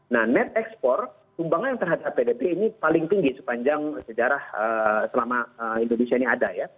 nah net export sumbangan terhadap pdp ini paling tinggi sepanjang sejarah selama indonesia ini ada ya